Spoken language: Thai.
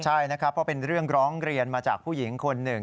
ใช่นะครับเพราะเป็นเรื่องร้องเรียนมาจากผู้หญิงคนหนึ่ง